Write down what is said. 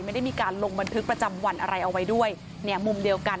ไม่ได้มีการลงบันทึกประจำวันอะไรเอาไว้ด้วยเนี่ยมุมเดียวกัน